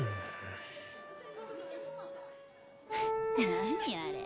・何あれ？